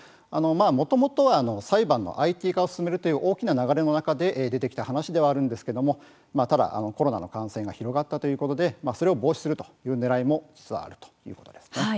もともとは裁判のＩＴ化を進めるという流れの中で出てきた話ではあるんですけれども、ただコロナの感染が広まったということでそれを防止するというねらいも実は、あるということです。